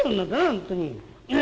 本当に」。